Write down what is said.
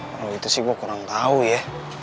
kalau gitu sih gue kurang tau ya